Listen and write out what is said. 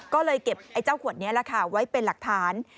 ก็เลยเก็บไอ้เจ้าขวดนี้แหละค่ะไว้เป็นหลักฐาน